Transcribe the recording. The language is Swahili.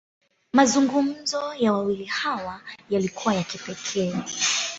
Mazungumzo ya wawili hawa, yalikuwa ya kipekee.